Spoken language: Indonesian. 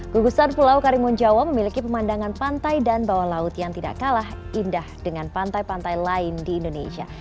gugusan pulau karimun jawa memiliki pemandangan pantai dan bawah laut yang tidak kalah indah dengan pantai pantai lain di indonesia